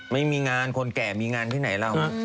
ไม่มีงานคนแก่มีงานที่ไหนเรา